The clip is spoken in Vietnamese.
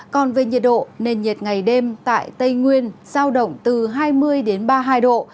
còn về nhiệt độ nền nhiệt ngày đêm tại tây nguyên giao động từ hai mươi ba mươi hai độ